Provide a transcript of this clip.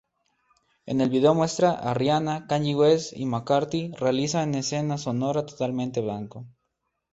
El video muestra a Rihanna, West y McCartney realiza en escena sonora totalmente blanco.